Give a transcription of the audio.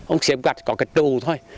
ông xếp gạch còn cái trụ thôi